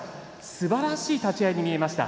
すばらしい立ち合いに見えました。